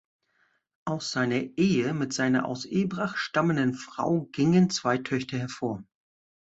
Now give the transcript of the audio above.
Aus seiner Ehe mit seiner aus Ebrach stammenden Frau gingen zwei Töchter hervor.